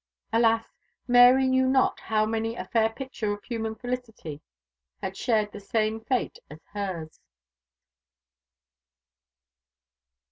Alas! Mary knew not how many a fair picture of human felicity had shared the same fate as hers!